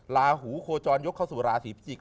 ลาหูโคจรยกเข้าสู่ราศีพิจิกษ